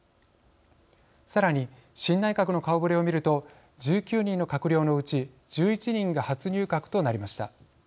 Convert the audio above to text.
さらに新内閣の顔ぶれを見ると１９人の閣僚の内１１人が初入閣となりました。